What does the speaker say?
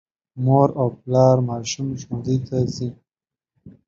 مور او پلار ماشوم ښوونځي ته ځي.